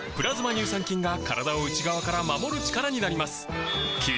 乳酸菌が体を内側から守る力になります